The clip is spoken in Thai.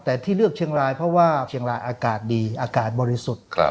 แต่ที่เลือกเชียงรายเพราะว่าเชียงรายอากาศดีอากาศบริสุทธิ์